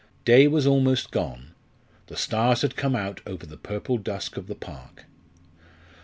Day was almost gone; the stars had come out over the purple dusk of the park.